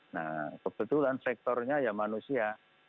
nah kebetulan sektornya ya manusia